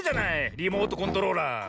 リモートコントローラー。